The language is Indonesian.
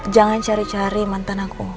jangan cari cari mantan aku